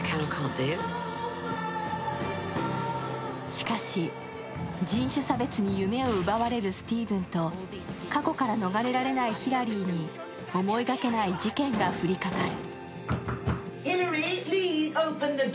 しかし、人種差別に夢を奪われるスティーヴンと過去から逃れられないヒラリーに思いがけない事件が降りかかる。